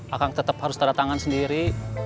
akan tetap harus tanda tangan sendiri